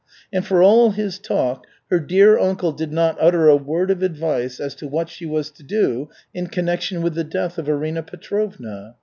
And for all his talk, her dear uncle did not utter a word of advice as to what she was to do in connection with the death of Arina Petrovna.